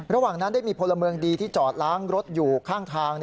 ระหว่างนั้นได้มีพลเมืองดีที่จอดล้างรถอยู่ข้างทาง